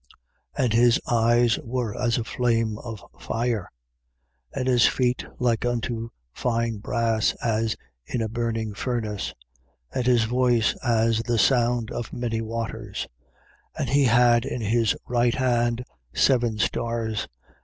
And his eyes were as a flame of fire: 1:15. And his feet like unto fine brass, as in a burning furnace. And his voice as the sound of many waters. 1:16. And he had in his right hand seven stars.